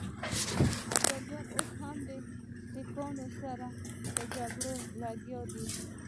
ابدالي اوس هم د سیکهانو سره په جګړو لګیا دی.